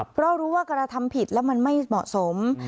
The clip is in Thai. เพราะรู้ว่ากระทำผิดแล้วมันไม่เหมาะสม